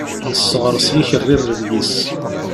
Yesseɣres yikerri rrebg-is.